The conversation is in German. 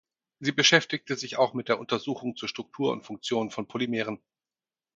Sie beschäftigte sich auch mit Untersuchungen zur Struktur und Funktion von Polymeren.